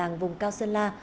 hàng vùng cao sơn la